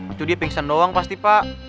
itu dia pingsan doang pasti pak